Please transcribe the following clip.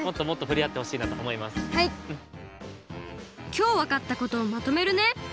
きょうわかったことをまとめるね。